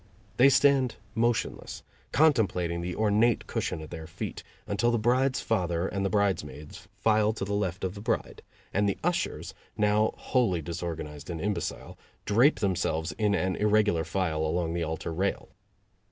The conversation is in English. They stand motionless, contemplating the ornate cushion at their feet, until the bride's father and the bridesmaids file to the left of the bride and the ushers, now wholly disorganized and imbecile, drape themselves in an irregular file along the altar rail.